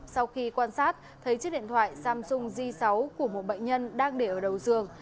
sau khi quan sát thấy chiếc điện thoại samsung g sáu của một bệnh nhân đang để ở đầu giường